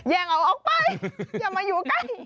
งเอาออกไปอย่ามาอยู่ใกล้